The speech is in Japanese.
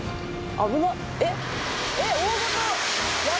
危ない！」